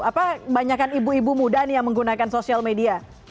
apa banyakan ibu ibu muda nih yang menggunakan sosial media